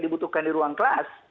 dibutuhkan di ruang kelas